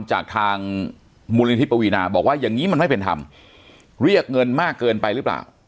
จากทางมูลนิธิปวีนาบอกว่าอย่างนี้มันไม่เป็นธรรมเรียกเงินมากเกินไปหรือเปล่า